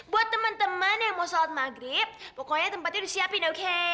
buat temen temen yang mau shalat maghrib pokoknya tempatnya disiapin oke